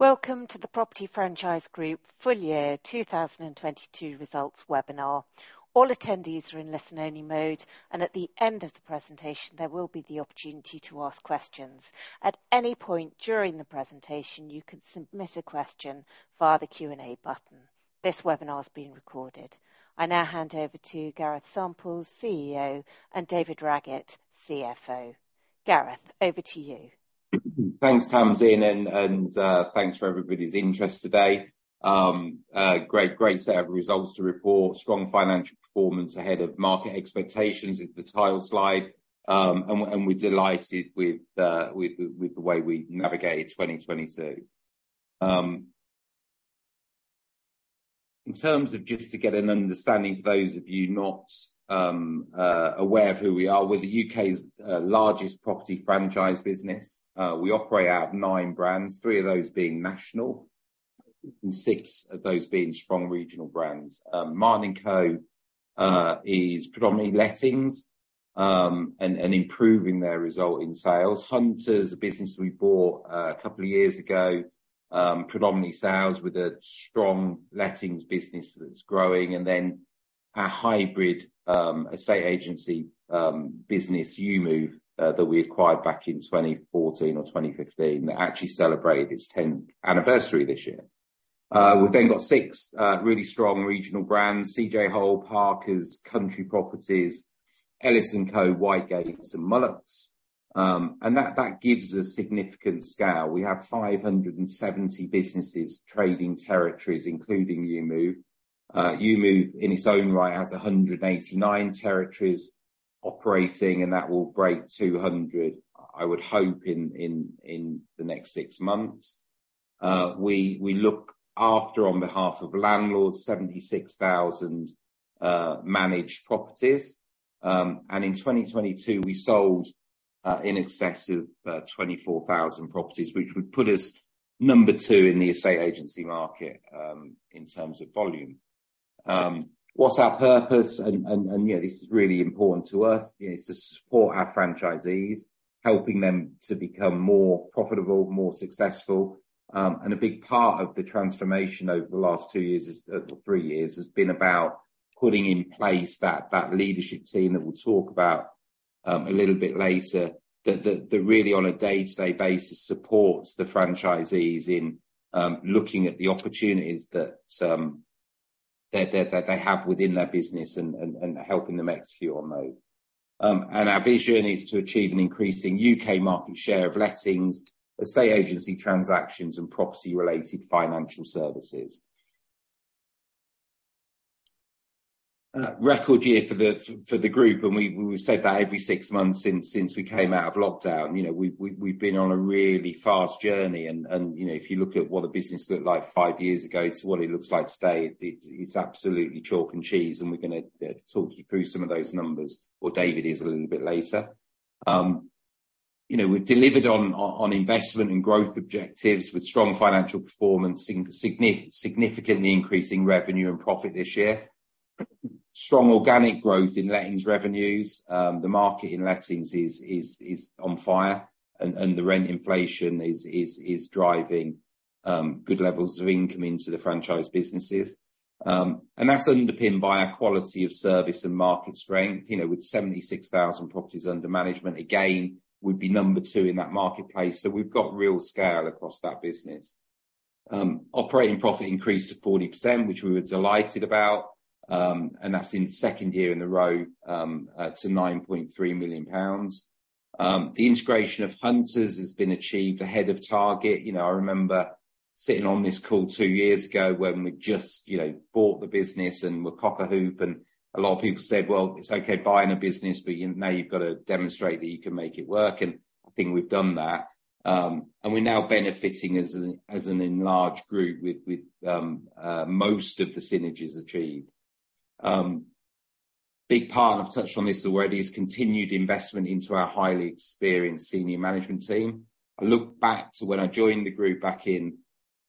Welcome to The Property Franchise Group full year 2022 results webinar. All attendees are in listen-only mode. At the end of the presentation, there will be the opportunity to ask questions. At any point during the presentation, you can submit a question via the Q&A button. This webinar is being recorded. I now hand over to Gareth Samples, CEO, and David Raggett, CFO. Gareth, over to you. Thanks, Tamsin, and thanks for everybody's interest today. A great set of results to report. Strong financial performance ahead of market expectations is the title slide. We're delighted with the way we navigated 2022. In terms of just to get an understanding for those of you not aware of who we are, we're the U.K.'s largest property franchise business. We operate out nine brands, three of those being national, and six of those being strong regional brands. Martin & Co. is predominantly lettings and improving their result in sales. Hunters, a business we bought a couple of years ago, predominantly sales with a strong lettings business that's growing. Our hybrid estate agency business, EweMove, that we acquired back in 2014 or 2015, actually celebrated its 10th anniversary this year. We've then got six really strong regional brands, CJ Hole, Parkers, Country Properties, Ellis & Co, Whitegates and Mullucks. That gives us significant scale. We have 570 businesses trading territories, including EweMove. EweMove, in its own right, has 189 territories operating, and that will break 200, I would hope in the next six months. We look after on behalf of landlords, 76,000 managed properties. In 2022, we sold in excess of 24,000 properties, which would put us number two in the estate agency market in terms of volume. What's our purpose? You know, this is really important to us is to support our franchisees, helping them to become more profitable, more successful. A big part of the transformation over the last two years, or three years, has been about putting in place that leadership team that we'll talk about a little bit later, that really on a day-to-day basis, supports the franchisees in looking at the opportunities that they have within their business and helping them execute on those. Our vision is to achieve an increasing U.K. market share of lettings, estate agency transactions, and property-related financial services. Record year for the group, and we've said that every six months since we came out of lockdown. You know, we've been on a really fast journey. You know, if you look at what the business looked like five years ago to what it looks like today, it's absolutely chalk and cheese. We're gonna talk you through some of those numbers, or David is a little bit later. You know, we've delivered on investment and growth objectives with strong financial performance, significantly increasing revenue and profit this year. Strong organic growth in lettings revenues. The market in lettings is on fire and the rent inflation is driving good levels of income into the franchise businesses. That's underpinned by our quality of service and market strength. You know, with 76,000 properties under management, again, we'd be number two in that marketplace. We've got real scale across that business. Operating profit increased to 40%, which we were delighted about, and that's in second year in a row, to 9.3 million pounds. The integration of Hunters has been achieved ahead of target. You know, I remember sitting on this call two years ago when we just, you know, bought the business and we're cock-a-hoop, and a lot of people said, "Well, it's okay buying a business, but you know, you've got to demonstrate that you can make it work." I think we've done that. We're now benefiting as an enlarged group with most of the synergies achieved. Big part, I've touched on this already, is continued investment into our highly experienced senior management team. I look back to when I joined the group back in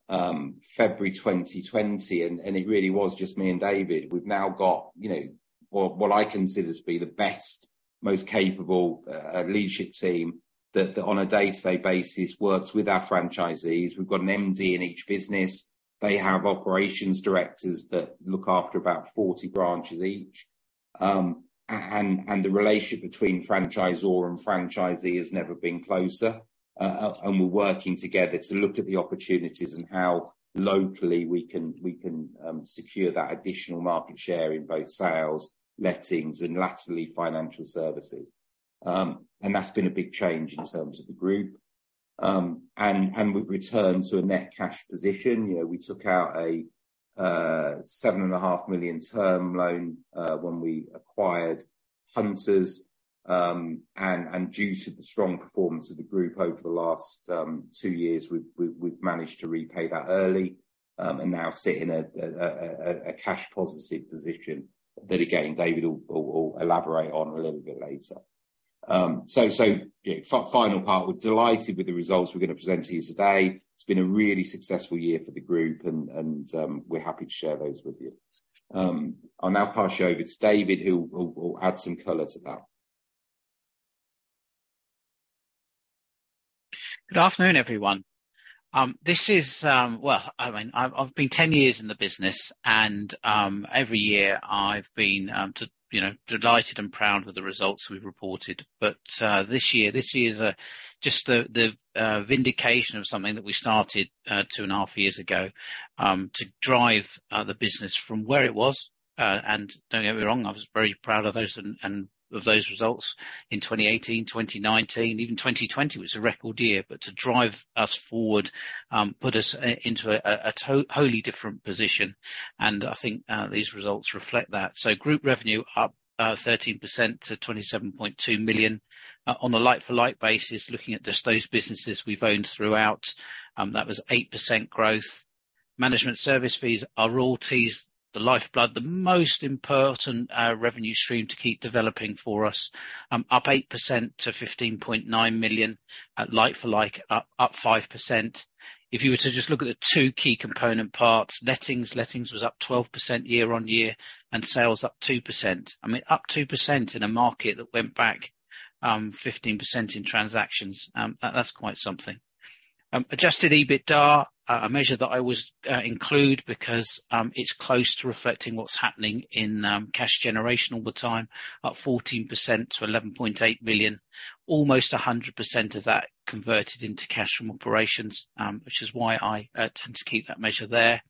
February 2020, and it really was just me and David. We've now got, you know, what I consider to be the best, most capable leadership team that on a day-to-day basis, works with our franchisees. We've got an MD in each business. They have operations directors that look after about 40 branches each. The relationship between franchisor and franchisee has never been closer. We're working together to look at the opportunities and how locally we can secure that additional market share in both sales, lettings, and laterally, financial services. That's been a big change in terms of the group. We've returned to a net cash position. You know, we took out a seven and a half million term loan when we acquired Hunters, and due to the strong performance of the group over the last two years, we've managed to repay that early, and now sit in a cash positive position that again, David will elaborate on a little bit later. Yeah, final part, we're delighted with the results we're gonna present to you today. It's been a really successful year for the group and we're happy to share those with you. I'll now pass you over to David, who'll add some color to that. Good afternoon, everyone. Well, I mean, I've been 10 years in the business, and, every year I've been, you know, delighted and proud with the results we've reported. This year is just the, vindication of something that we started, two and a half years ago, to drive, the business from where it was. Don't get me wrong, I was very proud of those and of those results in 2018, 2019. Even 2020 was a record year. To drive us forward, put us into a wholly different position, and I think, these results reflect that. Group revenue up, 13% to 27.2 million. On a like-for-like basis, looking at just those businesses we've owned throughout, that was 8% growth. Management Service Fees are royalties, the lifeblood, the most important revenue stream to keep developing for us, up 8% to 15.9 million. At like-for-like up 5%. If you were to just look at the two key component parts, lettings. Lettings was up 12% year-on-year, and sales up 2%. I mean, up 2% in a market that went back 15% in transactions, that's quite something. Adjusted EBITDA, a measure that I always include because it's close to reflecting what's happening in cash generation all the time, up 14% to 11.8 million. Almost 100% of that converted into cash from operations, which is why I tend to keep that measure there.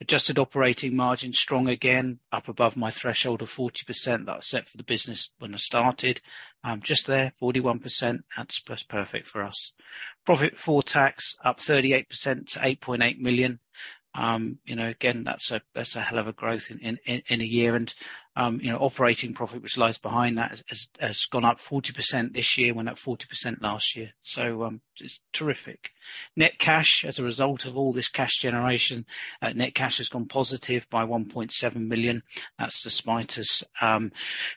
Adjusted operating margin strong again, up above my threshold of 40% that I set for the business when I started. Just there, 41%. That's perfect for us. Profit before tax up 38% to 8.8 million. You know, again, that's a hell of a growth in a year. You know, operating profit, which lies behind that has gone up 40% this year. Went up 40% last year. Just terrific. Net cash as a result of all this cash generation, net cash has gone positive by 1.7 million. That's despite us,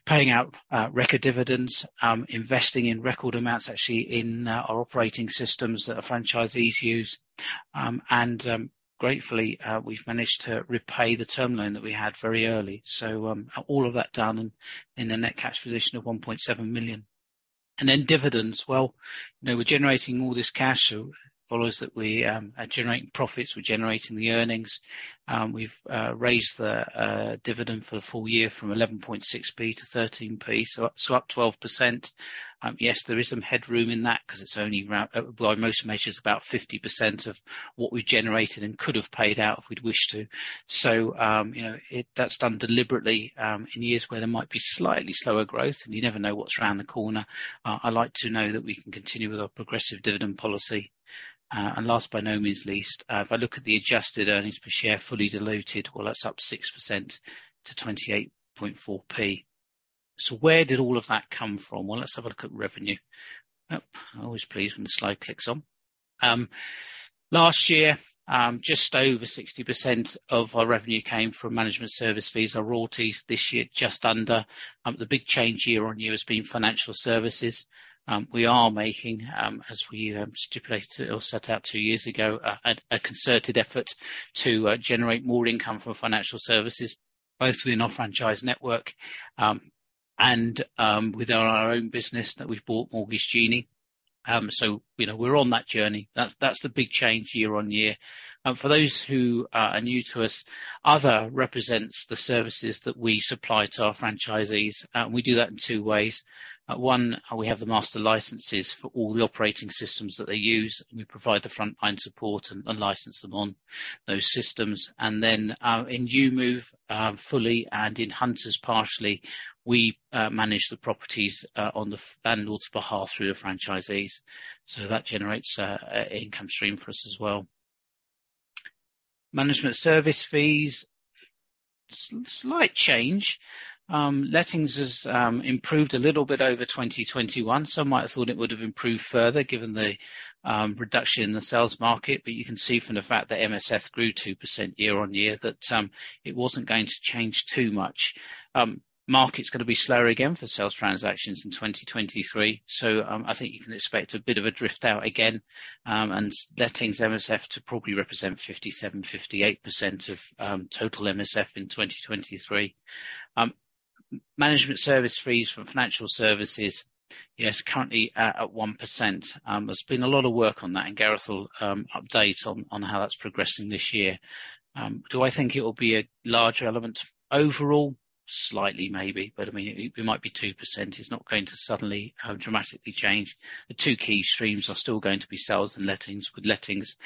paying out, record dividends, investing in record amounts, actually in, our operating systems that our franchisees use. Gratefully, we've managed to repay the term loan that we had very early. All of that done and in a net cash position of 1.7 million. Dividends. Well, you know, we're generating all this cash, it follows that we, are generating profits, we're generating the earnings. We've, raised the, dividend for the full year from 0.116 to 0.13, up 12%. There is some headroom in that 'cause it's only around, by most measures, about 50% of what we've generated and could have paid out if we'd wished to. You know, that's done deliberately in years where there might be slightly slower growth, and you never know what's around the corner. I like to know that we can continue with our progressive dividend policy. Last but no means least, if I look at the adjusted earnings per share, fully diluted, well, that's up 6% to 0.284. Where did all of that come from? Well, let's have a look at revenue. Always pleased when the slide clicks on. Last year, just over 60% of our revenue came from Management Service Fees or royalties. This year, just under. The big change year-over-year has been financial services. We are making, as we stipulated or set out two years ago, a concerted effort to generate more income from financial services, both within our franchise network, and within our own business that we've bought, The Mortgage Genie. You know, we're on that journey. That's, that's the big change year-on-year. For those who are new to us, other represents the services that we supply to our franchisees. We do that in two ways. One, we have the master licenses for all the operating systems that they use, and we provide the frontline support and license them on those systems. In EweMove, fully and in Hunters partially, we manage the properties on the landlord's behalf through the franchisees, so that generates a income stream for us as well. Management Service Fees, slight change. Lettings has improved a little bit over 2021. Some might have thought it would have improved further given the reduction in the sales market, you can see from the fact that MSF grew 2% year-over-year that it wasn't going to change too much. Market's gonna be slower again for sales transactions in 2023, I think you can expect a bit of a drift out again, and lettings MSF to probably represent 57%-58% of total MSF in 2023. Management Service Fees from financial services, yes, currently at 1%. There's been a lot of work on that, Gareth will update on how that's progressing this year. Do I think it'll be a larger element overall? Slightly, maybe, it might be 2%. It's not going to suddenly dramatically change. The two key streams are still going to be sales and lettings, with lettings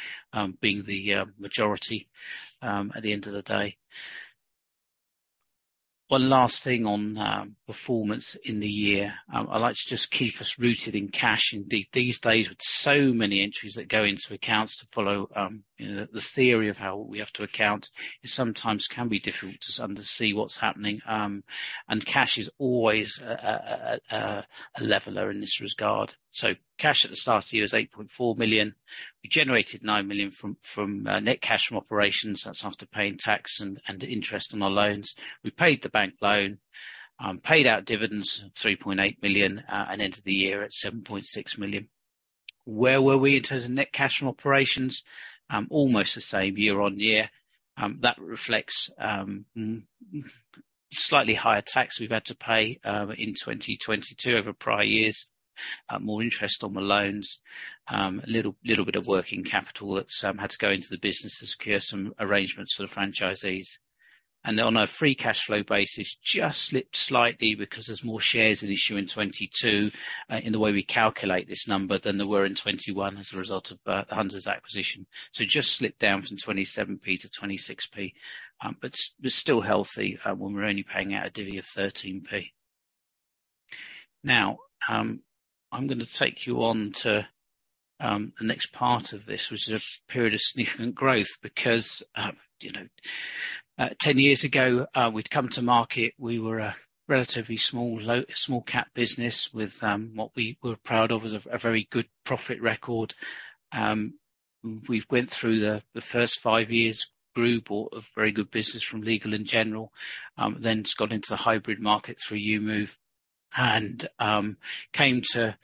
being the majority at the end of the day. One last thing on performance in the year. I'd like to just keep us rooted in cash. Indeed, these days, with so many entries that go into accounts to follow, you know, the theory of how we have to account, it sometimes can be difficult to under see what's happening, and cash is always a leveler in this regard. Cash at the start of the year was 8.4 million. We generated 9 million from net cash from operations. That's after paying tax and interest on our loans. We paid the bank loan, paid out dividends of 3.8 million, and ended the year at 7.6 million. Where were we in terms of net cash from operations? Almost the same year-over-year. That reflects slightly higher tax we've had to pay in 2022 over prior years, more interest on the loans, a little bit of working capital that had to go into the business to secure some arrangements for the franchisees. On a free cash flow basis, just slipped slightly because there's more shares at issue in 2022 in the way we calculate this number than there were in 2021 as a result of Hunters' acquisition. Just slipped down from 27 P to 26 P, but was still healthy when we're only paying out a divvy of 13 P. I'm gonna take you on to the next part of this, which is a period of significant growth. You know, 10 years ago, we'd come to market, we were a relatively small cap business with what we were proud of as a very good profit record. We've went through the first five years, grew, bought a very good business from Legal & General, got into the hybrid market through EweMove and came to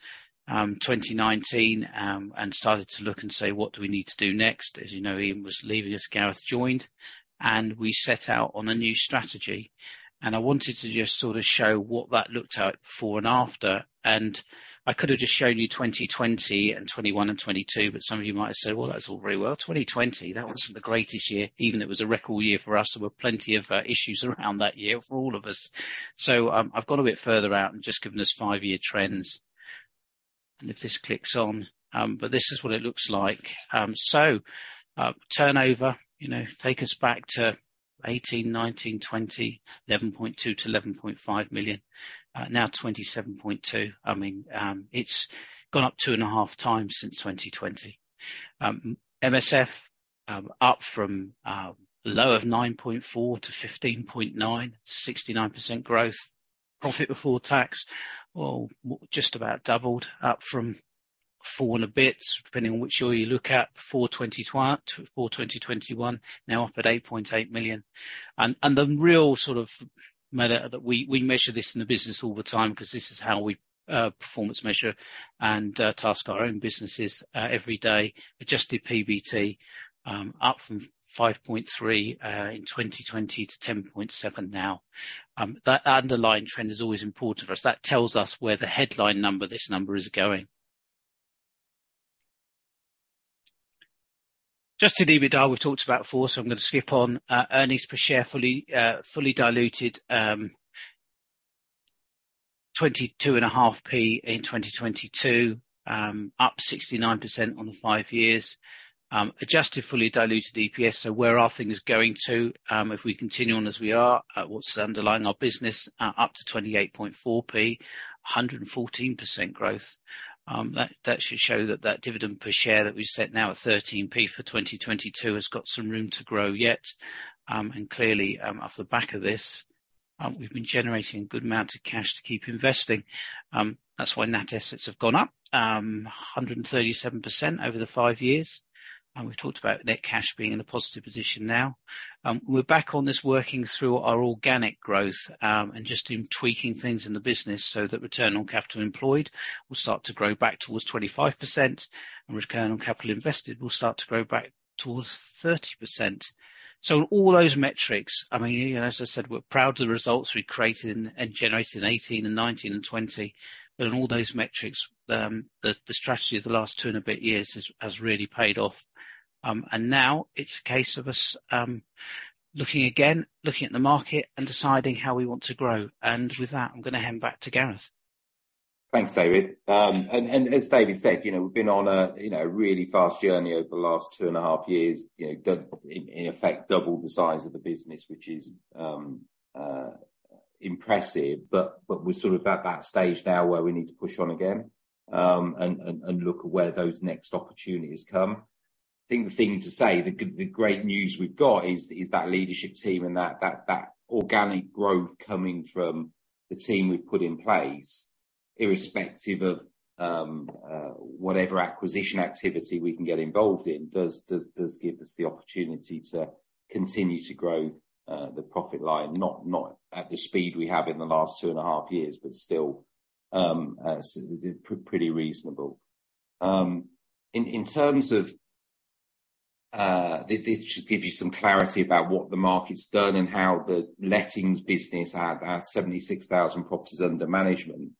2019 and started to look and say, "What do we need to do next?" As you know, Ian was leaving, as Gareth joined, and we set out on a new strategy. I wanted to just sort of show what that looked at before and after. I could have just shown you 2020 and 2021 and 2022, but some of you might say, "Well, that's all very well. 2020, that wasn't the greatest year." Even it was a record year for us, there were plenty of issues around that year for all of us. I've gone a bit further out and just given us five-year trends. If this clicks on, but this is what it looks like. Turnover, you know, take us back to 2018, 2019, 2020, 11.2 million-11.5 million, now 27.2 million. I mean, it's gone up 2.5 times since 2020. MSF up from a low of 9.4-15.9, 69% growth. Profit before tax just about doubled up from 4 and a bit, depending on which year you look at, 4 2021, now up at 8.8 million. The real sort of measure that we measure this in the business all the time 'cause this is how we performance measure and task our own businesses every day. Adjusted PBT up from 5.3 in 2020 to 10.7 now. That underlying trend is always important for us. That tells us where the headline number, this number is going. Just in EBITDA, we've talked about 4, I'm gonna skip on. Earnings per share fully diluted, 22.5p in 2022, up 69% on the five years. Adjusted fully diluted EPS, so where are things going to, if we continue on as we are at what's underlying our business, up to 28.4p, 114% growth. That should show that dividend per share that we've set now at 13p for 2022 has got some room to grow yet. Clearly, off the back of this, we've been generating a good amount of cash to keep investing. That's why net assets have gone up, 137% over the five years. We've talked about net cash being in a positive position now. We're back on this working through our organic growth, and just in tweaking things in the business so that return on capital employed will start to grow back towards 25%, and return on capital invested will start to grow back towards 30%. All those metrics, I mean, you know, as I said, we're proud of the results we created and generated in 2018, 2019, and 2020, but on all those metrics, the strategy of the last two and a bit years has really paid off. Now it's a case of us, looking again, looking at the market and deciding how we want to grow. With that, I'm gonna hand back to Gareth. Thanks, David. As David said, you know, we've been on a, you know, really fast journey over the last two and a half years. You know, in effect, doubled the size of the business, which is impressive. We're sort of at that stage now where we need to push on again, and look at where those next opportunities come. I think the thing to say, the great news we've got is that leadership team and that organic growth coming from the team we've put in place, irrespective of whatever acquisition activity we can get involved in, does give us the opportunity to continue to grow the profit line. Not at the speed we have in the last 2.5 years, but still, pretty reasonable. In terms of. This should give you some clarity about what the market's done and how the lettings business at about 76,000 properties under management,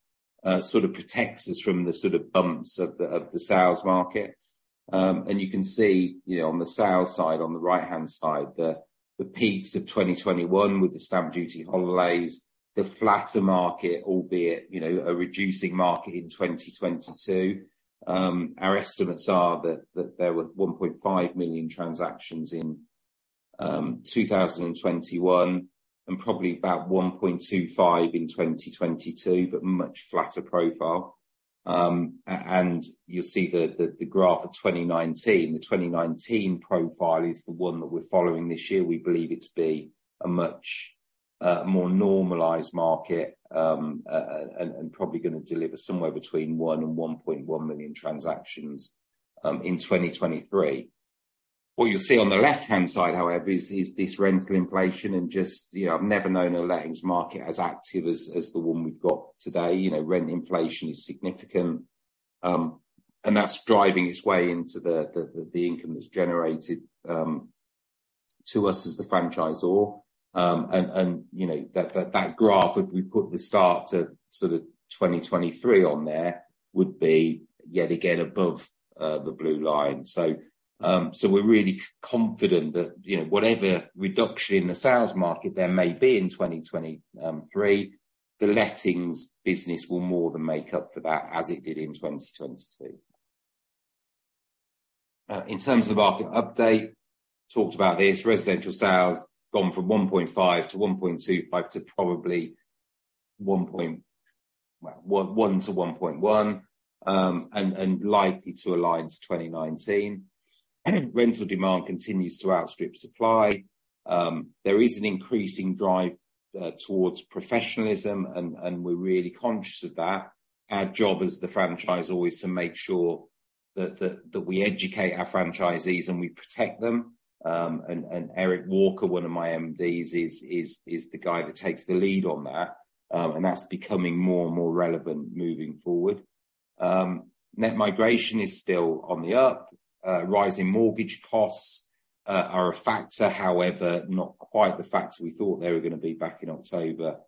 sort of protects us from the sort of bumps of the sales market. You can see, you know, on the sales side, on the right-hand side, the peaks of 2021 with the stamp duty holidays, the flatter market, albeit, you know, a reducing market in 2022. Our estimates are that there were 1.5 million transactions in 2021, and probably about 1.25 in 2022, but much flatter profile. You'll see the graph of 2019. The 2019 profile is the one that we're following this year. We believe it to be a much more normalized market and probably gonna deliver somewhere between 1 and 1.1 million transactions in 2023. What you'll see on the left-hand side, however, is this rental inflation and just, you know, I've never known a lettings market as active as the one we've got today. You know, rent inflation is significant, and that's driving its way into the income that's generated to us as the franchisor. You know, that graph, if we put the start to sort of 2023 on there, would be yet again above the blue line. we're really confident that, you know, whatever reduction in the sales market there may be in 2023, the lettings business will more than make up for that as it did in 2022. In terms of market update, talked about this. Residential sales gone from 1.5 to 1.2, but to probably one to 1.1, and likely to align to 2019. Rental demand continues to outstrip supply. There is an increasing drive towards professionalism and we're really conscious of that. Our job as the franchisor is to make sure that we educate our franchisees and we protect them. Eric Walker, one of my MDs, is the guy that takes the lead on that, and that's becoming more and more relevant moving forward. Net migration is still on the up. Rising mortgage costs are a factor, however, not quite the factor we thought they were gonna be back in October,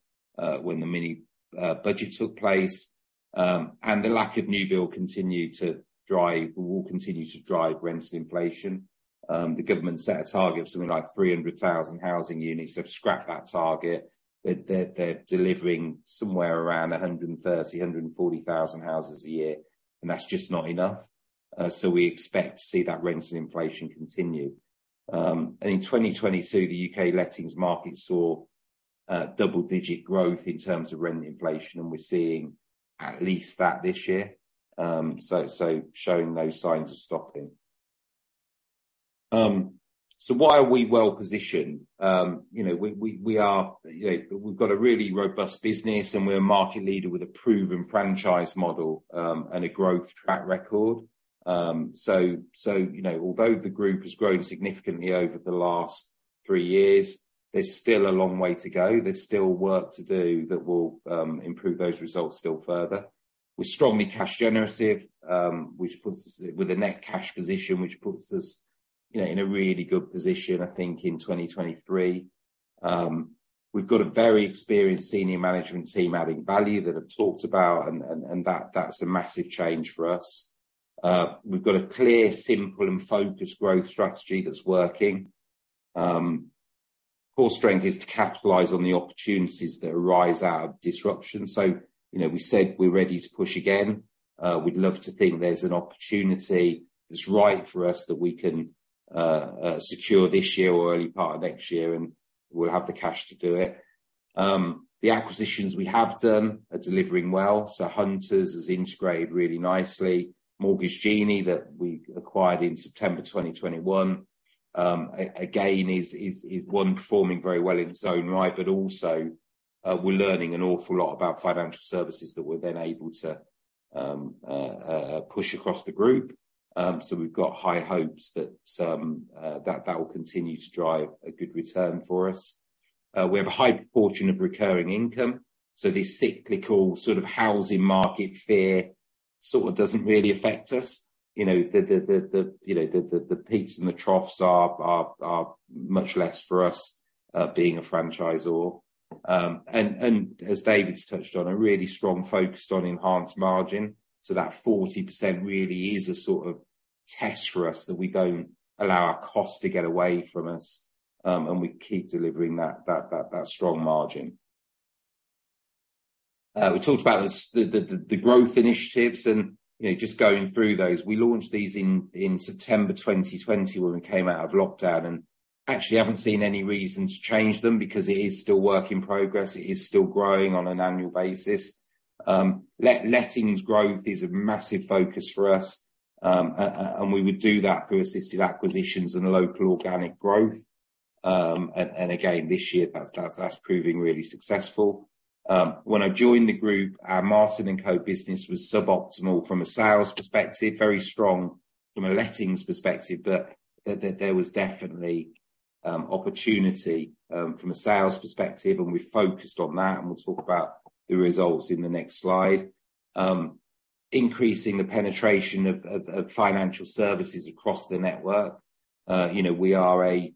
when the mini budget took place. The lack of new build will continue to drive rental inflation. The government set a target of something like 300,000 housing units. They've scrapped that target. They're delivering somewhere around 130,000-140,000 houses a year, and that's just not enough. We expect to see that rental inflation continue. In 2022, the U.K. lettings market saw double-digit growth in terms of rental inflation, and we're seeing at least that this year. Why are we well-positioned? You know, we are. We've got a really robust business and we're a market leader with a proven franchise model, and a growth track record. You know, although the group has grown significantly over the last three years, there's still a long way to go. There's still work to do that will improve those results still further. We're strongly cash generative. With a net cash position, which puts us, you know, in a really good position, I think, in 2023. We've got a very experienced senior management team adding value that I've talked about, and that's a massive change for us. We've got a clear, simple, and focused growth strategy that's working. Core strength is to capitalize on the opportunities that arise out of disruption. You know, we said we're ready to push again. We'd love to think there's an opportunity that's right for us that we can secure this year or early part of next year, and we'll have the cash to do it. The acquisitions we have done are delivering well. Hunters has integrated really nicely. Mortgage Genie that we acquired in September 2021, again, is one performing very well in its own right, but also, we're learning an awful lot about financial services that we're then able to push across the group. We've got high hopes that that will continue to drive a good return for us. We have a high proportion of recurring income, so the cyclical sort of housing market fear sort of doesn't really affect us. You know, the peaks and the troughs are much less for us, being a franchisor. As David's touched on, a really strong focus on enhanced margin. That 40% really is a sort of test for us that we don't allow our cost to get away from us, and we keep delivering that strong margin. We talked about the growth initiatives and, you know, just going through those. We launched these in September 2020 when we came out of lockdown, and actually haven't seen any reason to change them because it is still work in progress. It is still growing on an annual basis. Lettings growth is a massive focus for us, and we would do that through assisted acquisitions and local organic growth. And again, this year, that's proving really successful. When I joined the group, our Martin & Co business was suboptimal from a sales perspective, very strong from a lettings perspective, but there was definitely opportunity from a sales perspective, and we focused on that, and we'll talk about the results in the next slide. Increasing the penetration of financial services across the network. you know, we are a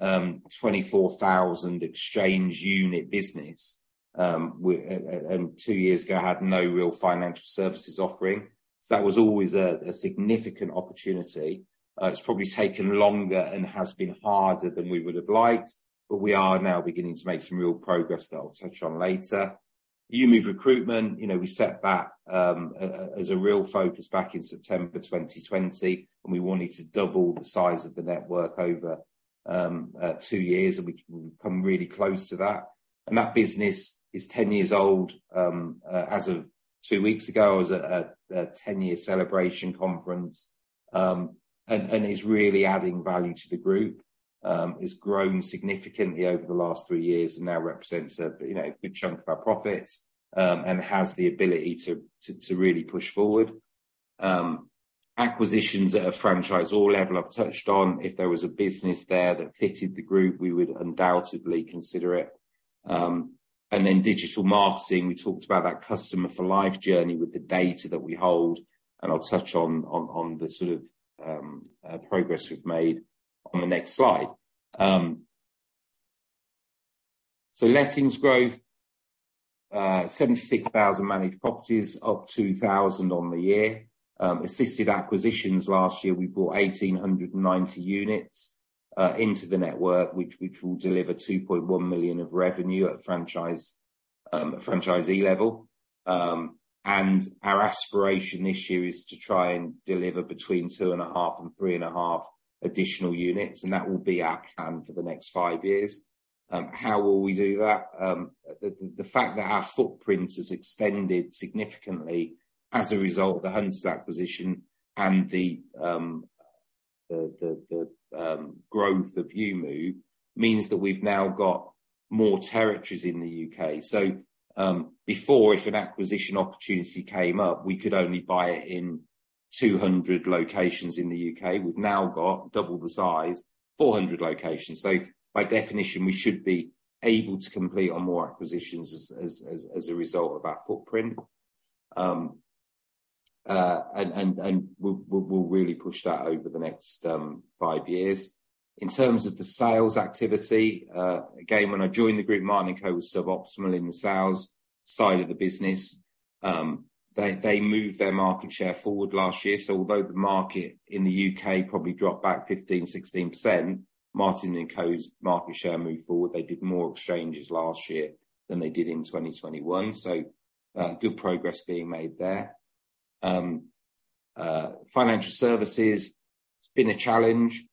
24,000 exchange unit business and two years ago had no real financial services offering. That was always a significant opportunity. It's probably taken longer and has been harder than we would have liked, but we are now beginning to make some real progress that I'll touch on later. EweMove recruitment, you know, we set that as a real focus back in September 2020, and we've come really close to that. That business is 10 years old. As of two weeks ago, it was a 10-year celebration conference, and is really adding value to the group. It's grown significantly over the last three years and now represents a, you know, a good chunk of our profits, and has the ability to really push forward. Acquisitions at a franchise or level I've touched on, if there was a business there that fitted the group, we would undoubtedly consider it. Digital marketing, we talked about that customer for life journey with the data that we hold, and I'll touch on the sort of progress we've made on the next slide. Lettings growth, 76,000 managed properties, up 2,000 on the year. Assisted acquisitions last year, we brought 1,890 units into the network, which will deliver 2.1 million of revenue at franchise, franchisee level. Our aspiration issue is to try and deliver between 2.5 and 3.5 additional units, and that will be our plan for the next five years. How will we do that? The fact that our footprint has extended significantly as a result of the Hunters acquisition and the growth of EweMove means that we've now got more territories in the U.K. Before, if an acquisition opportunity came up, we could only buy it in 200 locations in the U.K. We've now got double the size, 400 locations. By definition, we should be able to complete on more acquisitions as a result of our footprint. We'll really push that over the next five years. In terms of the sales activity, again, when I joined the group, Martin & Co was suboptimal in the sales side of the business. They moved their market share forward last year. Although the market in the U.K. probably dropped back 15%, 16%, Martin & Co's market share moved forward. They did more exchanges last year than they did in 2021. Good progress being made there. Financial services, it's been a challenge.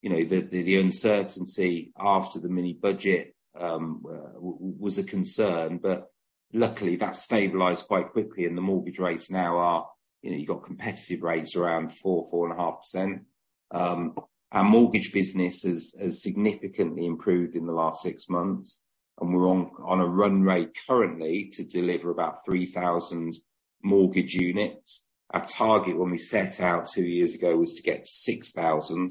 You know, the uncertainty after the mini budget was a concern, but luckily that stabilized quite quickly and the mortgage rates now are, you know, you've got competitive rates around 4%, 4.5%. Our mortgage business has significantly improved in the last six months, and we're on a run rate currently to deliver about 3,000 mortgage units. Our target when we set out two years ago was to get 6,000,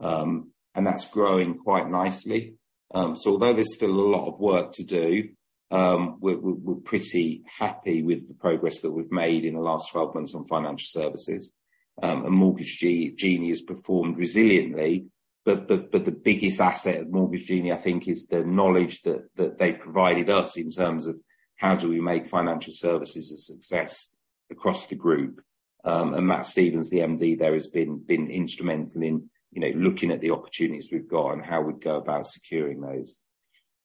and that's growing quite nicely. Although there's still a lot of work to do, we're pretty happy with the progress that we've made in the last 12 months on financial services. The Mortgage Genie has performed resiliently, but the biggest asset of The Mortgage Genie, I think, is the knowledge that they provided us in terms of how do we make financial services a success across the group. Matt Stevens, the MD there, has been instrumental in, you know, looking at the opportunities we've got and how we'd go about securing those.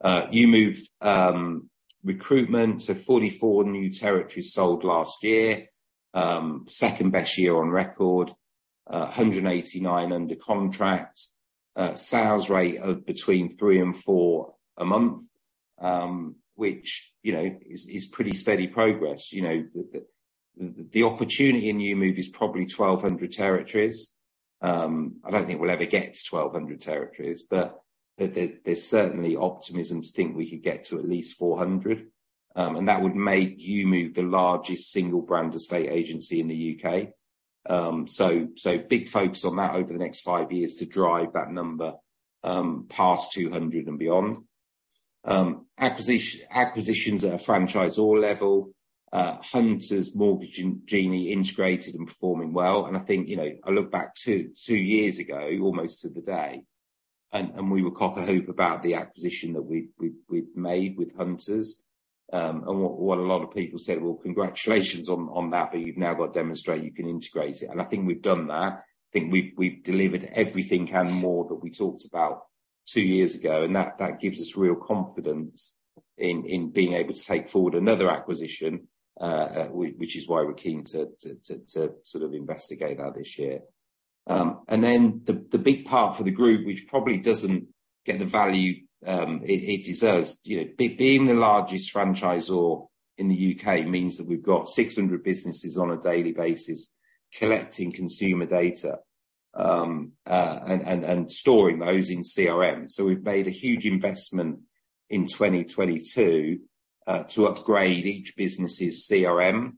EweMove recruitment, 44 new territories sold last year. Second best year on record. 189 under contract. Sales rate of between three and four a month, which, you know, is pretty steady progress. You know, the opportunity in EweMove is probably 1,200 territories. I don't think we'll ever get to 1,200 territories, but there's certainly optimism to think we could get to at least 400, and that would make EweMove the largest single brand estate agency in the U.K. Big focus on that over the next five years to drive that number past 200 and beyond. Acquisitions at a franchisor level, Hunters, The Mortgage Genie integrated and performing well. I think, you know, I look back two years ago, almost to the day, and we were cock a hoop about the acquisition that we've made with Hunters. What a lot of people said, "Well, congratulations on that, but you've now got to demonstrate you can integrate it." I think we've done that. I think we've delivered everything and more that we talked about two years ago, and that gives us real confidence in being able to take forward another acquisition, which is why we're keen to sort of investigate that this year. Then the big part for the group, which probably doesn't get the value it deserves. You know, being the largest franchisor in the U.K. means that we've got 600 businesses on a daily basis collecting consumer data and storing those in CRM. We've made a huge investment in 2022 to upgrade each business's CRM.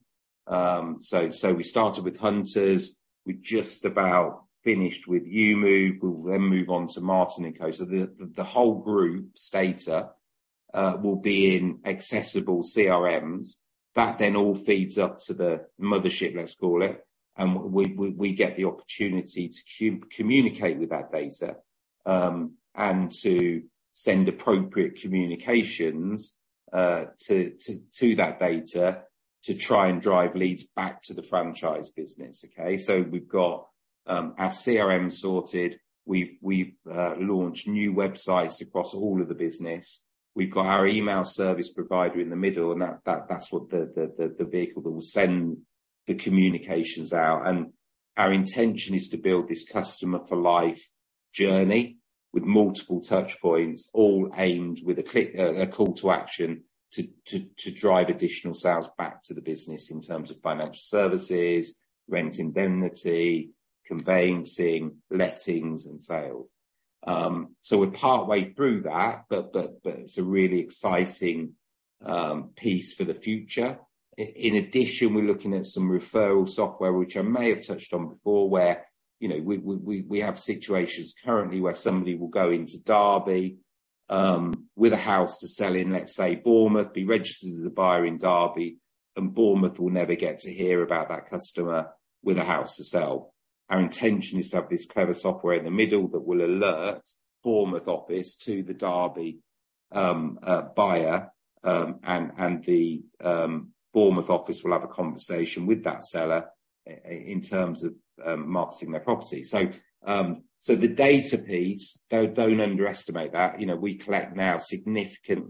We started with Hunters. We've just about finished with EweMove. We'll move on to Martin & Co. The whole group's data will be in accessible CRMs. All feeds up to the mothership, let's call it, and we get the opportunity to communicate with that data and to send appropriate communications to that data to try and drive leads back to the franchise business. Okay? We've got our CRM sorted. We've launched new websites across all of the business. We've got our email service provider in the middle, and that's what the vehicle that will send the communications out. Our intention is to build this customer for life journey with multiple touchpoints, all aimed with a click, a call to action to drive additional sales back to the business in terms of financial services, rent indemnity, conveyancing, lettings, and sales. We're partway through that, but it's a really exciting piece for the future. In addition, we're looking at some referral software which I may have touched on before, where, you know, we have situations currently where somebody will go into Derby with a house to sell in, let's say Bournemouth, be registered as a buyer in Derby, and Bournemouth will never get to hear about that customer with a house to sell. Our intention is to have this clever software in the middle that will alert Bournemouth office to the Derby buyer. The Bournemouth office will have a conversation with that seller in terms of marketing their property. The data piece, don't underestimate that. You know, we collect now significant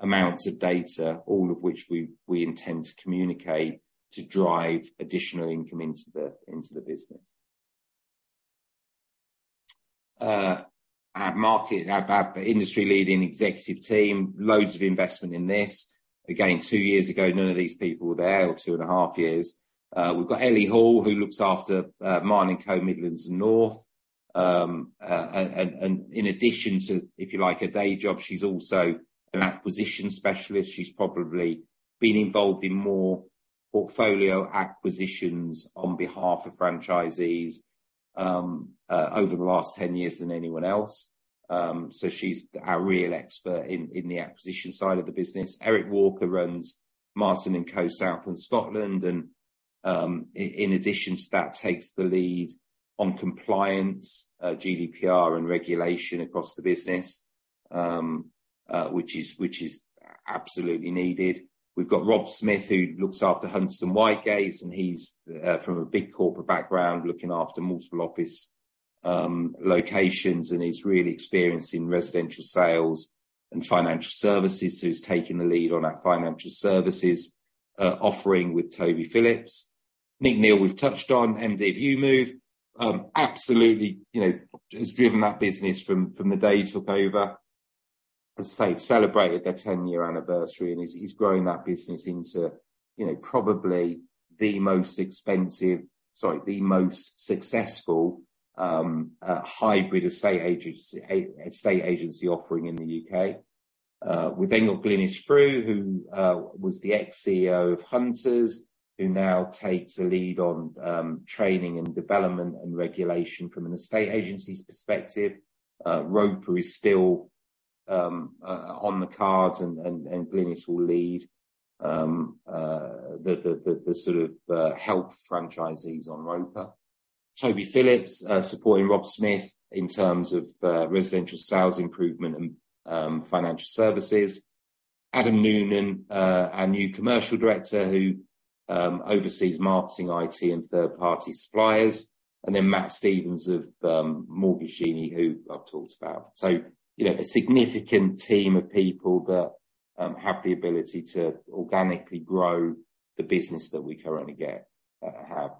amounts of data, all of which we intend to communicate to drive additional income into the business. Our industry-leading executive team, loads of investment in this. Again, two years ago, none of these people were there, or two and a half years. We've got Ellie Hall, who looks after Martin & Co Midlands and North. In addition to, if you like, a day job, she's also an acquisition specialist. She's probably been involved in more portfolio acquisitions on behalf of franchisees over the last 10 years than anyone else. She's our real expert in the acquisition side of the business. Eric Walker runs Martin & Co South & Scotland, in addition to that, takes the lead on compliance, GDPR, and regulation across the business, which is absolutely needed. We've got Rob Smith, who looks after Hunters and Whitegates, he's from a big corporate background, looking after multiple office locations, and he's really experienced in residential sales and financial services, he's taking the lead on our financial services offering with Toby Phillips. Nick Neill, we've touched on, MD of EweMove. Absolutely, you know, has driven that business from the day he took over. As I say, celebrated their 10-year anniversary, he's growing that business into, you know, probably the most successful hybrid estate agency offering in the U.K. We've got Glynis Frew, who was the ex-CEO of Hunters, who now takes a lead on training and development and regulation from an estate agency's perspective. RoPA is still on the cards and Glynis will lead the sort of help franchisees on RoPA. Toby Phillips supporting Rob Smith in terms of residential sales improvement and financial services. Adam Noonan, our new commercial director, who oversees marketing, IT, and third-party suppliers. Matt Stevens of The Mortgage Genie, who I've talked about. You know, a significant team of people that have the ability to organically grow the business that we currently get, have.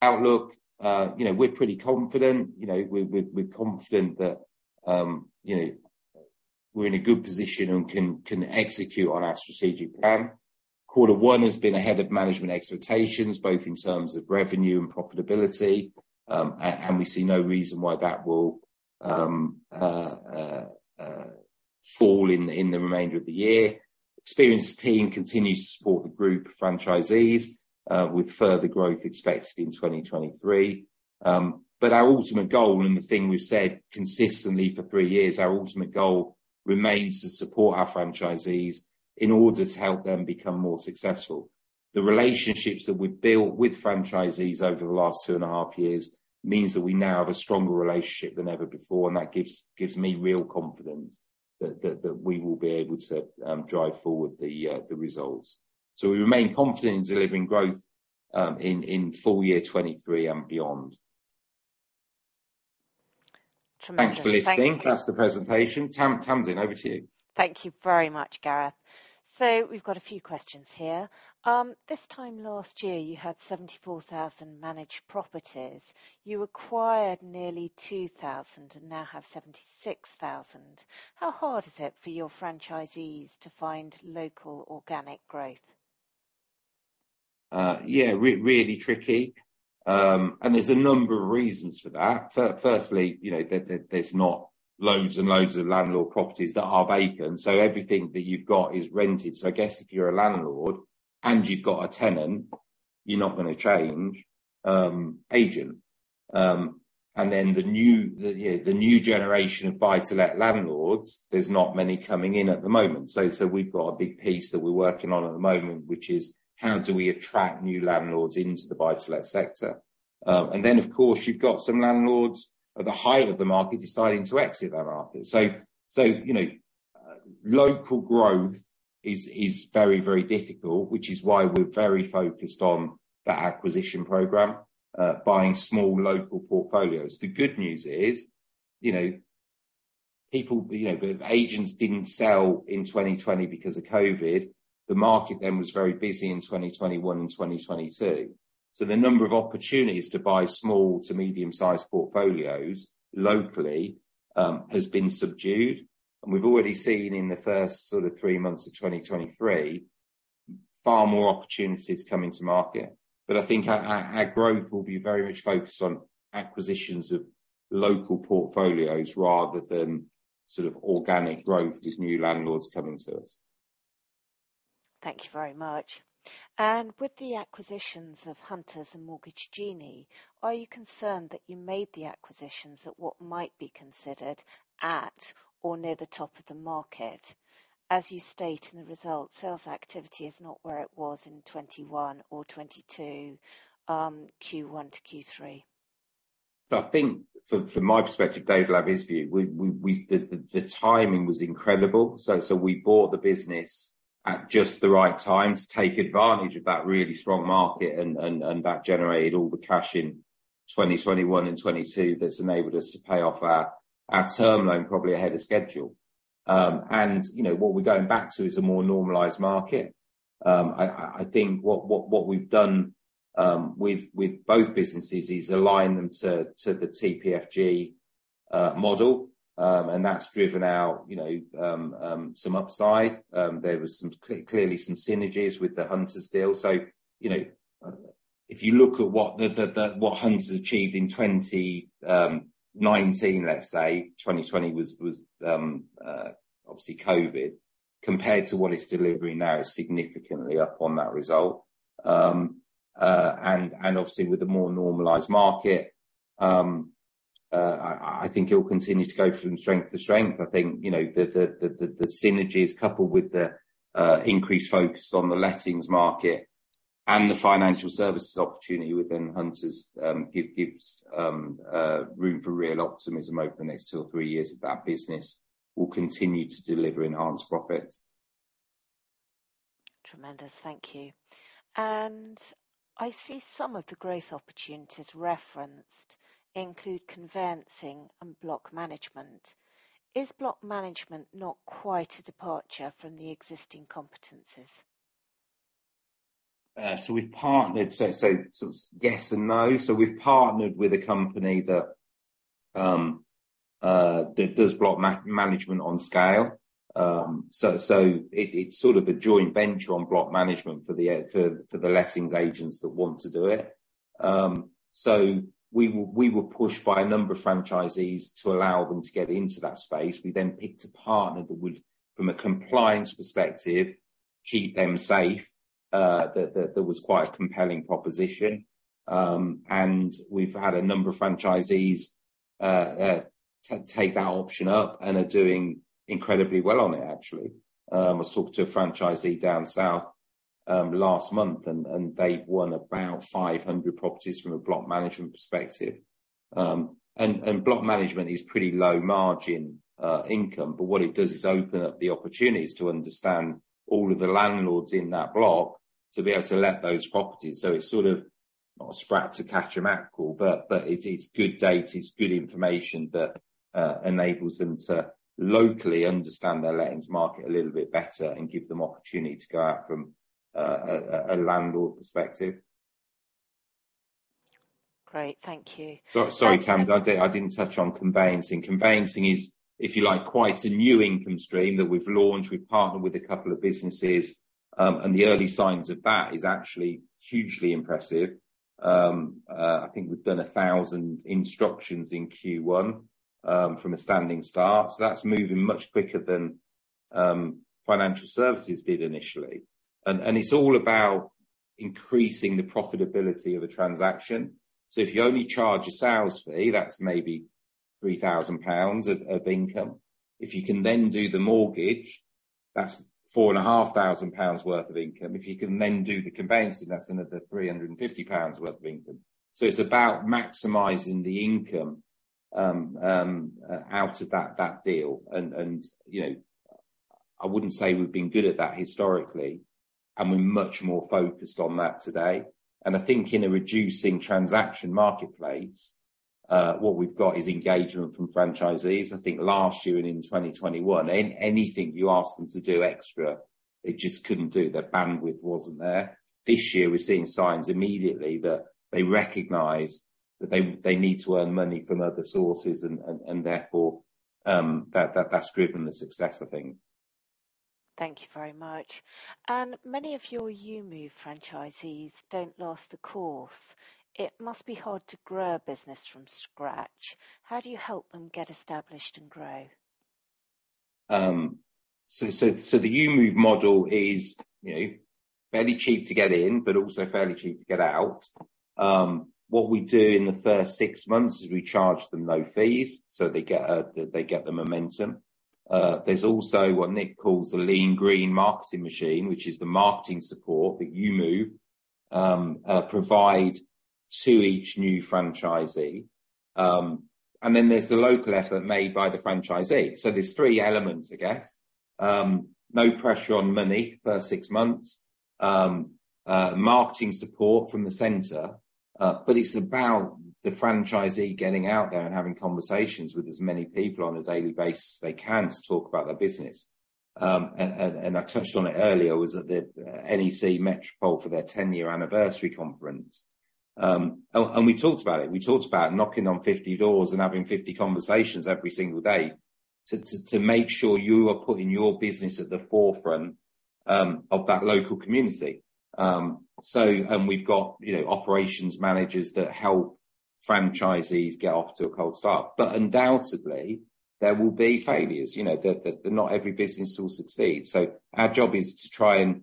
Outlook, you know, we're pretty confident. You know, we're confident that, you know, we're in a good position and can execute on our strategic plan. Quarter one has been ahead of management expectations, both in terms of revenue and profitability, and we see no reason why that will fall in the remainder of the year. Experienced team continues to support the group of franchisees with further growth expected in 2023. Our ultimate goal and the thing we've said consistently for three years, our ultimate goal remains to support our franchisees in order to help them become more successful. The relationships that we've built with franchisees over the last two and a half years means that we now have a stronger relationship than ever before. That gives me real confidence that we will be able to drive forward the results. We remain confident in delivering growth in full year 2023 and beyond. Tremendous. Thank you. Thanks for listening. That's the presentation. Tamsin, over to you. Thank you very much, Gareth. We've got a few questions here. This time last year, you had 74,000 managed properties. You acquired nearly 2,000 and now have 76,000. How hard is it for your franchisees to find local organic growth? Yeah, really tricky. There's a number of reasons for that. Firstly, you know, there's not loads and loads of landlord properties that are vacant, so everything that you've got is rented. I guess if you're a landlord and you've got a tenant, you're not gonna change, agent. Then the new, you know, the new generation of buy-to-let landlords, there's not many coming in at the moment. We've got a big piece that we're working on at the moment, which is: How do we attract new landlords into the buy-to-let sector? Then, of course, you've got some landlords at the height of the market deciding to exit that market. You know, local growth is very, very difficult, which is why we're very focused on that acquisition program, buying small local portfolios. The good news is, you know, people, you know, the agents didn't sell in 2020 because of COVID. The market then was very busy in 2021 and 2022. The number of opportunities to buy small to medium-sized portfolios locally has been subdued, and we've already seen in the first sort of three months of 2023. Far more opportunities coming to market. I think our growth will be very much focused on acquisitions of local portfolios rather than sort of organic growth with new landlords coming to us. Thank you very much. With the acquisitions of Hunters and Mortgage Genie, are you concerned that you made the acquisitions at what might be considered at or near the top of the market? As you state in the results, sales activity is not where it was in 2021 or 2022, Q1 to Q3. I think from my perspective, Dave will have his view, we the timing was incredible, so we bought the business at just the right time to take advantage of that really strong market and that generated all the cash in 2021 and 2022 that's enabled us to pay off our term loan probably ahead of schedule. You know, what we're going back to is a more normalized market. I think what we've done with both businesses is align them to the TPFG model, and that's driven out, you know, some upside. There was clearly some synergies with the Hunters deal. you know, if you look at what Hunters achieved in 2019 let's say, 2020 was obviously COVID, compared to what it's delivering now is significantly up on that result. obviously with a more normalized market, I think it will continue to go from strength to strength. I think, you know, the synergies coupled with the increased focus on the lettings market and the financial services opportunity within Hunters, gives room for real optimism over the next two or three years that that business will continue to deliver enhanced profits. Tremendous. Thank you. I see some of the growth opportunities referenced include conveyancing and block management. Is block management not quite a departure from the existing competencies? Sort of yes and no. We've partnered with a company that does block management on scale. It's sort of a joint venture on block management for the lettings agents that want to do it. We were pushed by a number of franchisees to allow them to get into that space. We picked a partner that would, from a compliance perspective, keep them safe, that was quite a compelling proposition. We've had a number of franchisees take that option up and are doing incredibly well on it actually. I was talking to a franchisee down south last month and they won about 500 properties from a block management perspective. Block management is pretty low margin, income, but what it does is open up the opportunities to understand all of the landlords in that block to be able to let those properties. It's sort of not a sprat to catch a mackerel, but it's good data, it's good information that enables them to locally understand their lettings market a little bit better and give them opportunity to go out from a landlord perspective. Great. Thank you. Sorry, Tam. I didn't touch on conveyancing. Conveyancing is, if you like, quite a new income stream that we've launched. We've partnered with a couple of businesses, and the early signs of that is actually hugely impressive. I think we've done 1,000 instructions in Q1 from a standing start, that's moving much quicker than financial services did initially. It's all about increasing the profitability of a transaction. If you only charge a sales fee, that's maybe 3,000 pounds of income. If you can then do the mortgage, that's 4,500 pounds worth of income. If you can then do the conveyancing, that's another 350 pounds worth of income. It's about maximizing the income out of that deal. you know, I wouldn't say we've been good at that historically, and we're much more focused on that today. I think in a reducing transaction marketplace, what we've got is engagement from franchisees. I think last year and in 2021, anything you ask them to do extra, they just couldn't do. Their bandwidth wasn't there. This year we're seeing signs immediately that they recognize that they need to earn money from other sources and therefore, that's driven the success I think. Thank you very much. Many of your EweMove franchisees don't last the course. It must be hard to grow a business from scratch. How do you help them get established and grow? So the EweMove model is, you know, fairly cheap to get in, but also fairly cheap to get out. What we do in the first six months is we charge them no fees, so they get, they get the momentum. There's also what Nick calls the Lean Green Marketing Machine, which is the marketing support that EweMove provide to each new franchisee. Then there's the local effort made by the franchisee. There's three elements, I guess. No pressure on money first six months. Marketing support from the center, it's about the franchisee getting out there and having conversations with as many people on a daily basis they can to talk about their business. I touched on it earlier was at the NEC Metropole for their 10-year anniversary conference. And we talked about it, we talked about knocking on 50 doors and having 50 conversations every single day. To make sure you are putting your business at the forefront of that local community. We've got, you know, operations managers that help franchisees get off to a cold start. Undoubtedly, there will be failures, you know, that not every business will succeed. Our job is to try and,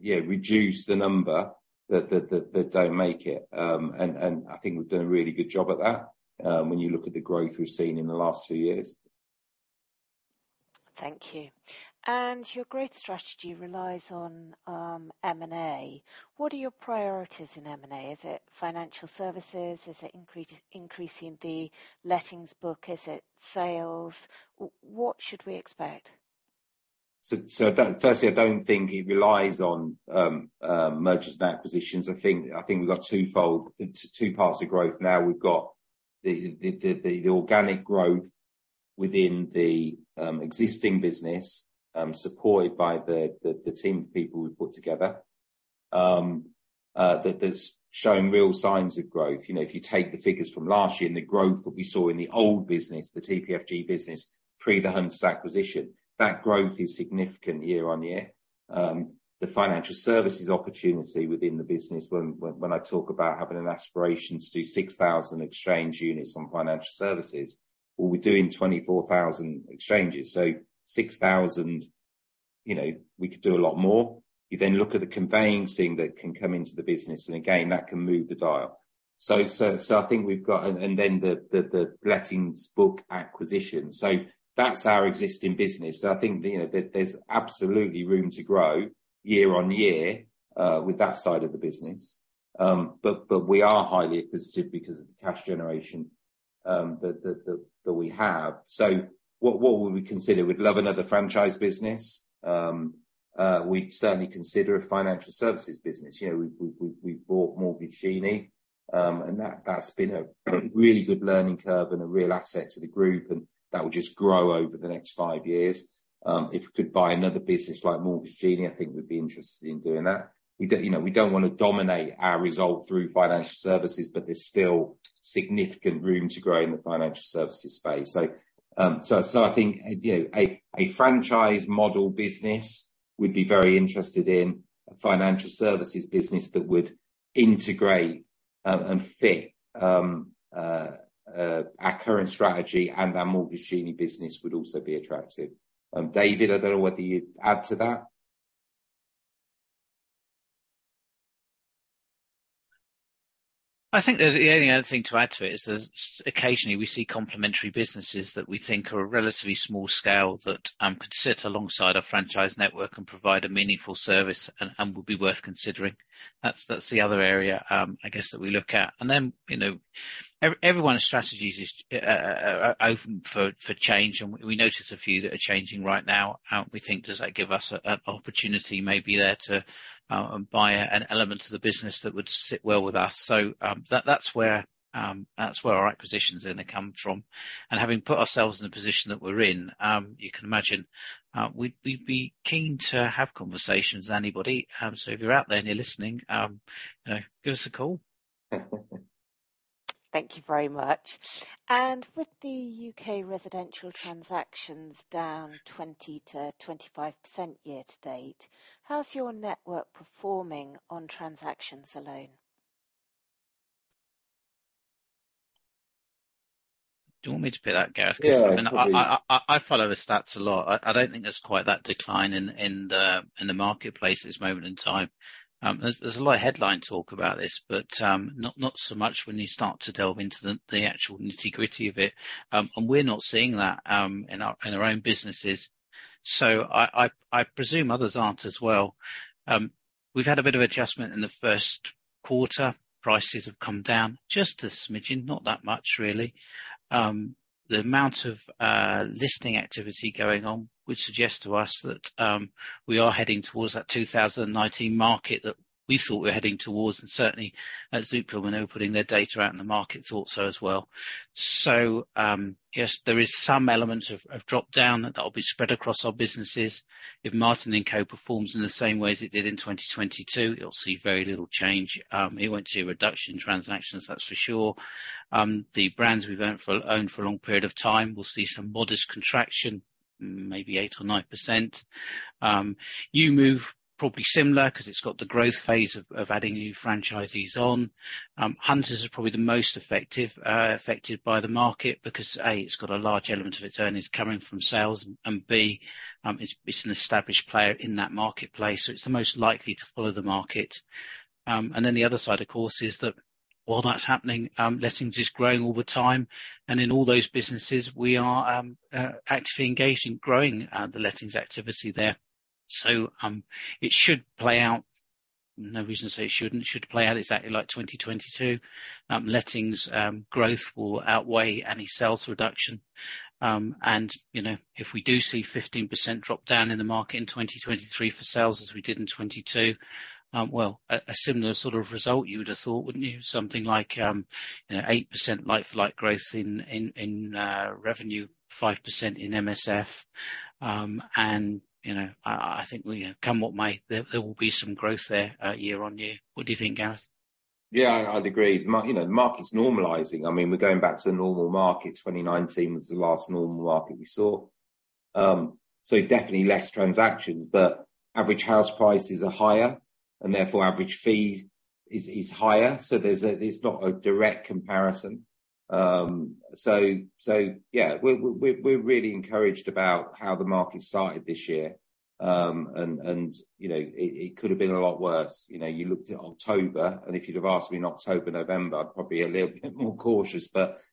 yeah, reduce the number that don't make it. And I think we've done a really good job at that when you look at the growth we've seen in the last two years. Thank you. Your growth strategy relies on, M&A. What are your priorities in M&A? Is it financial services? Is it increasing the lettings book? Is it sales? What should we expect? First, I don't think it relies on mergers and acquisitions. I think we've got two paths to growth now. We've got the organic growth within the existing business, supported by the team of people we've put together, that is showing real signs of growth. You know, if you take the figures from last year and the growth that we saw in the old business, the TPFG business, pre the Hunters acquisition, that growth is significant year-on-year. The financial services opportunity within the business when I talk about having an aspiration to do 6,000 exchange units on financial services, well we're doing 24,000 exchanges, so 6,000, you know, we could do a lot more. You look at the conveyancing that can come into the business, and again, that can move the dial. I think we've got... Then the lettings book acquisition. That's our existing business. I think, you know, there's absolutely room to grow year-on-year with that side of the business. We are highly acquisitive because of the cash generation that we have. What would we consider? We'd love another franchise business. We'd certainly consider a financial services business. You know, we've bought Mortgage Genie, and that's been a really good learning curve and a real asset to the group, and that will just grow over the next five years. If we could buy another business like The Mortgage Genie, I think we'd be interested in doing that. We don't, you know, we don't wanna dominate our result through financial services, but there's still significant room to grow in the financial services space. I think, you know, a franchise model business we'd be very interested in, a financial services business that would integrate and fit our current strategy, and our The Mortgage Genie business would also be attractive. David, I don't know whether you'd add to that. I think the only other thing to add to it is that occasionally we see complementary businesses that we think are a relatively small scale that could sit alongside our franchise network and provide a meaningful service and would be worth considering. That's the other area, I guess that we look at. you know, everyone's strategy is open for change, and we notice a few that are changing right now. We think does that give us an opportunity maybe there to buy an element of the business that would sit well with us. that's where our acquisitions then come from. Having put ourselves in the position that we're in, you can imagine, we'd be keen to have conversations with anybody. If you're out there and you're listening, you know, give us a call. Thank you very much. With the U.K. residential transactions down 20%-25% year to date, how's your network performing on transactions alone? Do you want me to pick that, Gareth? Yeah. I follow the stats a lot. I don't think there's quite that decline in the marketplace at this moment in time. There's a lot of headline talk about this, but not so much when you start to delve into the actual nitty-gritty of it. We're not seeing that in our own businesses, so I presume others aren't as well. We've had a bit of adjustment in the first quarter. Prices have come down just a smidgen, not that much really. The amount of listing activity going on would suggest to us that we are heading towards that 2019 market that we thought we were heading towards, and certainly at Zoopla when they were putting their data out in the market thought so as well. Yes, there is some element of drop down that will be spread across our businesses. If Martin & Co performs in the same way as it did in 2022, you'll see very little change. It won't see a reduction in transactions, that's for sure. The brands we've owned for a long period of time will see some modest contraction, maybe 8% or 9%. EweMove, probably similar 'cause it's got the growth phase of adding new franchisees on. Hunters is probably the most effective, affected by the market because, A, it's got a large element of its earnings coming from sales, and B, it's an established player in that marketplace, so it's the most likely to follow the market. The other side, of course, is that while that's happening, lettings is growing all the time, and in all those businesses, we are actively engaged in growing the lettings activity there. It should play out, no reason to say it shouldn't, should play out exactly like 2022. Lettings growth will outweigh any sales reduction. You know, if we do see 15% drop-down in the market in 2023 for sales as we did in 22, well, a similar sort of result you would have thought, wouldn't you? Something like, you know, 8% like for like growth in revenue, 5% in MSF. You know, I think, you know, come what may, there will be some growth there year-on-year. What do you think, Gareth? Yeah, I'd agree. You know, the market's normalizing. I mean, we're going back to a normal market. 2019 was the last normal market we saw. Definitely less transactions, but average house prices are higher, and therefore average fee is higher. There's it's not a direct comparison. Yeah, we're really encouraged about how the market started this year. You know, it could have been a lot worse. You know, you looked at October, if you'd have asked me in October, November, I'd probably be a little bit more cautious.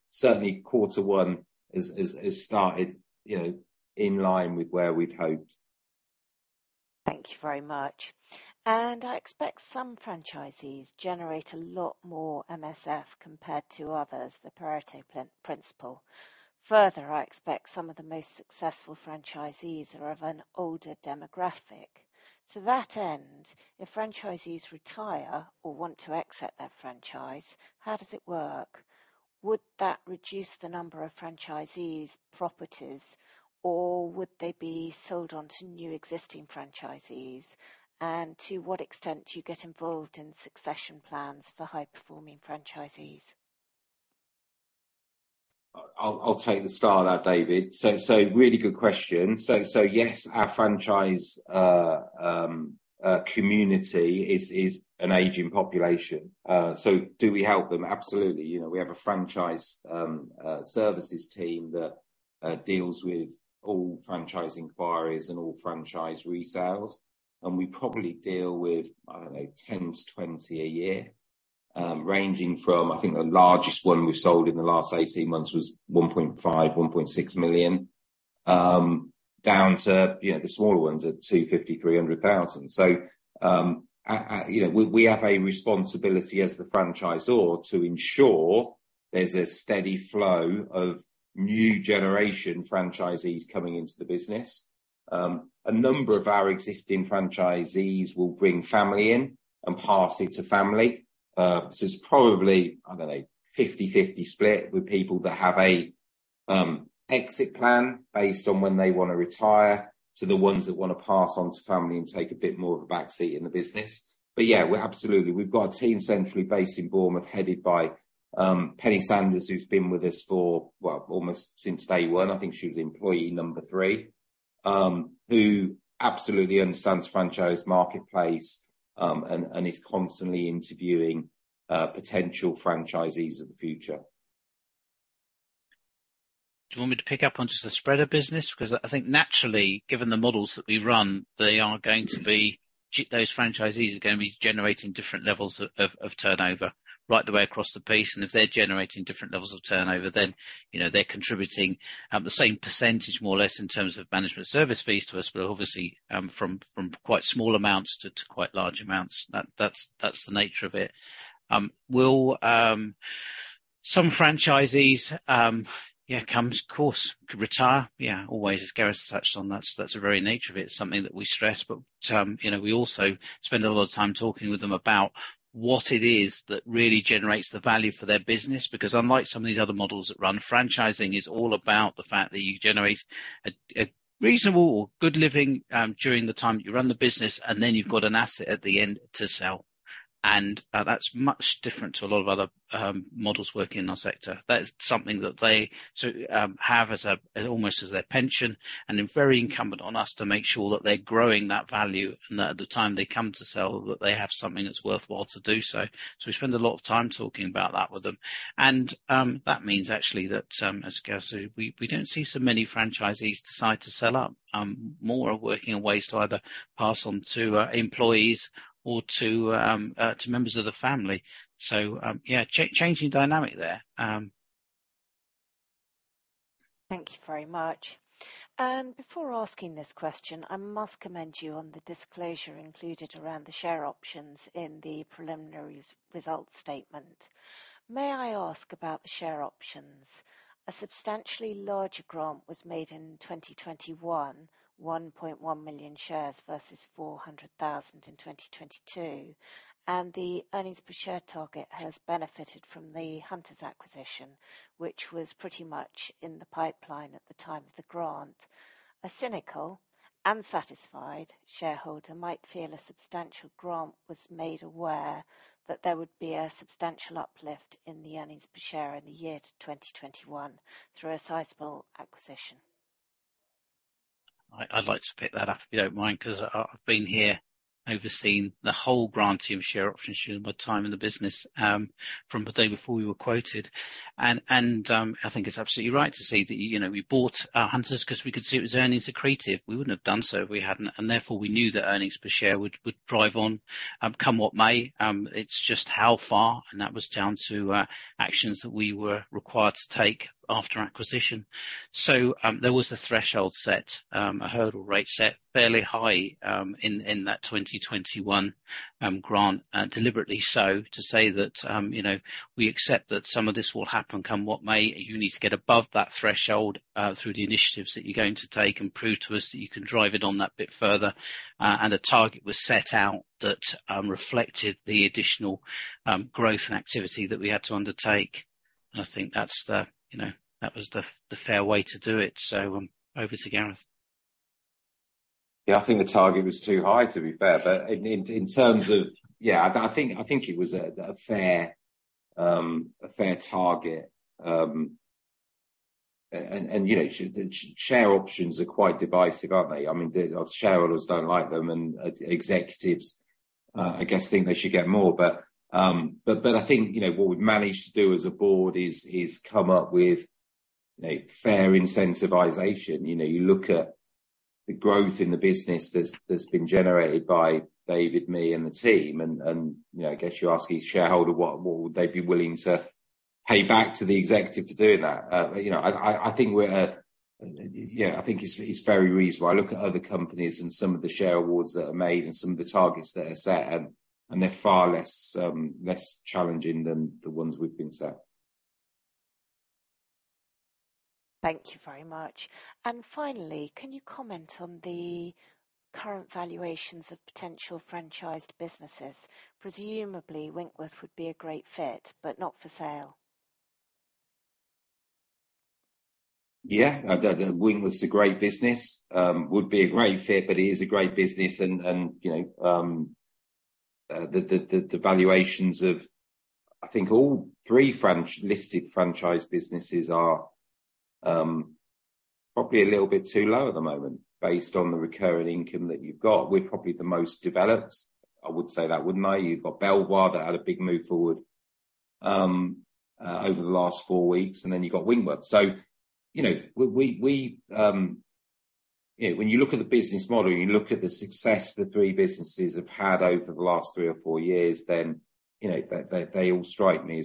Certainly, Q1 is started, you know, in line with where we'd hoped. Thank you very much. I expect some franchisees generate a lot more MSF compared to others, the Pareto principle. Further, I expect some of the most successful franchisees are of an older demographic. To that end, if franchisees retire or want to exit their franchise, how does it work? Would that reduce the number of franchisees' properties, or would they be sold on to new existing franchisees? To what extent do you get involved in succession plans for high-performing franchisees? I'll take the start of that, David. Really good question. Yes, our franchise community is an aging population. Do we help them? Absolutely. You know, we have a franchise services team that deals with all franchise inquiries and all franchise resales. We probably deal with, I don't know, 10 to 20 a year, ranging from, I think the largest one we sold in the last 18 months was 1.5 million-1.6 million, down to, you know, the smaller ones at 250,000-300,000. You know, we have a responsibility as the franchisor to ensure there's a steady flow of new generation franchisees coming into the business. A number of our existing franchisees will bring family in and pass it to family. it's probably, I don't know, 50/50 split with people that have a exit plan based on when they wanna retire to the ones that wanna pass on to family and take a bit more of a back seat in the business. Yeah, we're absolutely. We've got a team centrally based in Bournemouth, headed by Penny Sanders, who's been with us for, well, almost since day one. I think she was employee number three. Who absolutely understands franchise marketplace, and is constantly interviewing potential franchisees of the future. Do you want me to pick up on just the spread of business? 'Cause I think naturally, given the models that we run, they are going to be those franchisees are gonna be generating different levels of turnover right the way across the piece. If they're generating different levels of turnover, then, you know, they're contributing the same percentage more or less in terms of Management Service Fees to us, but obviously, from quite small amounts to quite large amounts. That's the nature of it. Will some franchisees, yeah, come, of course, could retire? Yeah, always. As Gareth touched on, that's the very nature of it. It's something that we stress. You know, we also spend a lot of time talking with them about what it is that really generates the value for their business. Unlike some of these other models that run, franchising is all about the fact that you generate a reasonable or good living during the time that you run the business, and then you've got an asset at the end to sell. That's much different to a lot of other models working in our sector. That is something that they so have as almost as their pension, and they're very incumbent on us to make sure that they're growing that value and that at the time they come to sell, that they have something that's worthwhile to do so. We spend a lot of time talking about that with them. That means actually that as Gareth said, we don't see so many franchisees decide to sell up. More are working on ways to either pass on to employees or to members of the family. Yeah, changing dynamic there. Thank you very much. Before asking this question, I must commend you on the disclosure included around the share options in the preliminary results statement. May I ask about the share options? A substantially larger grant was made in 2021, 1.1 million shares versus 400,000 in 2022. The earnings per share target has benefited from the Hunters acquisition, which was pretty much in the pipeline at the time of the grant. A cynical unsatisfied shareholder might feel a substantial grant was made aware that there would be a substantial uplift in the earnings per share in the year to 2021 through a sizable acquisition. I'd like to pick that up, if you don't mind, 'cause I've been here overseeing the whole granting of share options during my time in the business, from the day before we were quoted. I think it's absolutely right to say that, you know, we bought Hunters 'cause we could see it was earnings accretive. We wouldn't have done so if we hadn't, therefore we knew that earnings per share would drive on, come what may. It's just how far, that was down to actions that we were required to take after acquisition. There was a threshold set, a hurdle rate set fairly high, in that 2021 grant, deliberately so to say that, you know, we accept that some of this will happen, come what may. You need to get above that threshold, through the initiatives that you're going to take and prove to us that you can drive it on that bit further. And a target was set out that reflected the additional growth and activity that we had to undertake. I think that's the, you know, that was the fair way to do it. Over to Gareth. Yeah, I think the target was too high, to be fair. Yeah, it was a fair, a fair target. You know, share options are quite divisive, aren't they? I mean, the shareholders don't like them, and ex-executives, I guess, think they should get more. I think, you know, what we've managed to do as a board is come up with, you know, fair incentivization. You know, you look at the growth in the business that's been generated by David, me and the team and, you know, I guess you ask each shareholder what would they be willing to pay back to the executive for doing that. You know, I think we're, yeah, I think it's very reasonable. I look at other companies and some of the share awards that are made and some of the targets that are set and they're far less, less challenging than the ones we've been set. Thank you very much. Finally, can you comment on the current valuations of potential franchised businesses? Presumably Winkworth would be a great fit, but not for sale. Yeah. The Winkworth's a great business. Would be a great fit, but it is a great business and, you know, the valuations of I think all three listed franchise businesses are probably a little bit too low at the moment based on the recurring income that you've got. We're probably the most developed, I would say that, wouldn't I? You've got Belvoir that had a big move forward over the last four weeks, you've got Winkworth. You know, we, you know, when you look at the business model, you look at the success the three businesses have had over the last three or four years, you know, they all strike me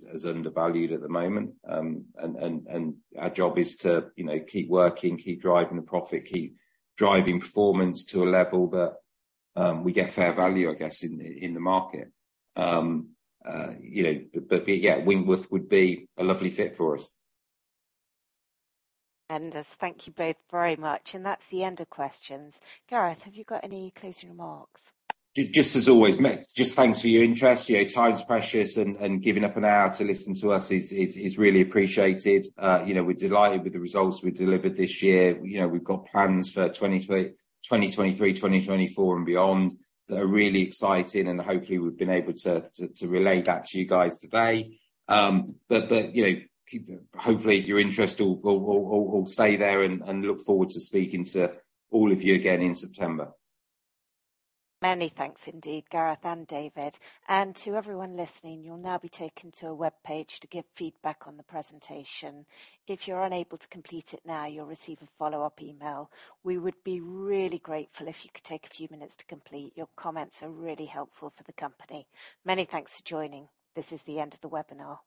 as undervalued at the moment. Our job is to, you know, keep working, keep driving the profit, keep driving performance to a level that, we get fair value, I guess, in the market. You know, yeah, Winkworth would be a lovely fit for us. Thank you both very much. That's the end of questions. Gareth, have you got any closing remarks? Just as always, just thanks for your interest. You know, time's precious and giving up an hour to listen to us is really appreciated. You know, we're delighted with the results we delivered this year. You know, we've got plans for 2023, 2024 and beyond, that are really exciting and hopefully we've been able to relay that to you guys today. You know, hopefully your interest will stay there and look forward to speaking to all of you again in September. Many thanks indeed, Gareth and David. To everyone listening, you'll now be taken to a webpage to give feedback on the presentation. If you're unable to complete it now, you'll receive a follow-up email. We would be really grateful if you could take a few minutes to complete. Your comments are really helpful for the company. Many thanks for joining. This is the end of the webinar.